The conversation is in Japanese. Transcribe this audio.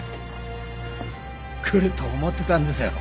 来ると思ってたんですよ